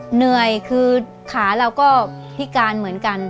เหนื่อยคือขาเราก็พิการเหมือนกัน